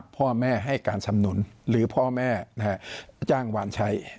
พ่อแม่ให้การสำนุนหรือพ่อแม่จ้างวานใช้